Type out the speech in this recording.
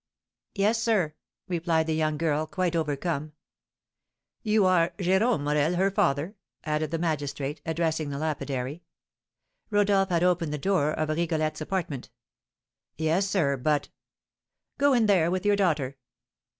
"Yes, sir," replied the young girl, quite overcome. "You are Jérome Morel, her father?" added the magistrate, addressing the lapidary. Rodolph had opened the door of Rigolette's apartment. "Yes, sir; but " "Go in there with your daughter."